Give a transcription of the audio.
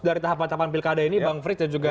dari tahapan tahapan pilkada ini bang frits dan juga